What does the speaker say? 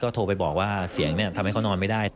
โทรไปบอกว่าเสียงทำให้เขานอนไม่ได้